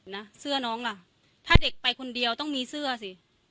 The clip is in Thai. นะเสื้อน้องล่ะถ้าเด็กไปคนเดียวต้องมีเสื้อสิ